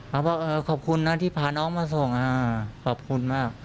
เขาบอกเออขอบคุณนะที่พาน้องมาส่งขอบคุณมาก